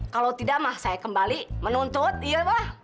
kalau tidak mah saya kembali menuntut iya mah